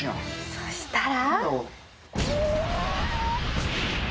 そしたら。